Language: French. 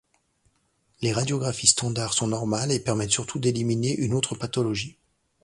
Les radiographies standards sont normales et permettent surtout d'éliminer une autre pathologie.